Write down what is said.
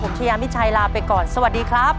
ผมชายามิชัยลาไปก่อนสวัสดีครับ